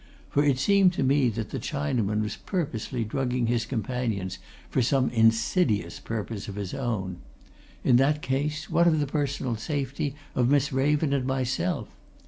For it seemed to me that the Chinaman was purposely drugging his companions, for some insidious purpose of his own in that case, what of the personal safety of Miss Raven and myself?